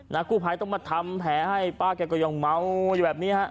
กู้ภัยต้องมาทำแผลให้ป้าแกก็ยังเมาอยู่แบบนี้ฮะ